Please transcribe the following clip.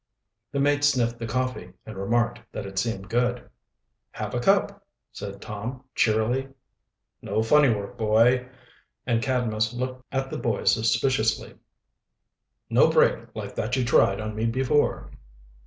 The mate sniffed the coffee, and remarked that it seemed good. "Have a cup," said Tom cheerily. "No funny work, boy," and Cadmus looked at the boys suspiciously. "No break like that you tried on me before."